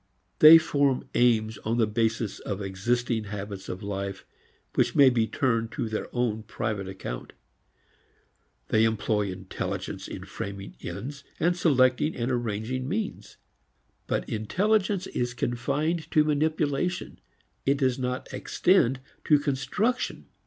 They form aims on the basis of existing habits of life which may be turned to their own private account. They employ intelligence in framing ends and selecting and arranging means. But intelligence is confined to manipulation; it does not extend to construction.